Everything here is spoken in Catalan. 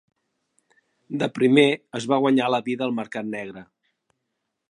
De primer, es va guanyar la vida al mercat negre.